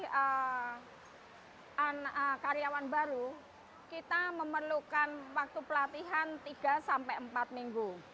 kalau dulu kita melatih karyawan baru kita memerlukan waktu pelatihan tiga empat minggu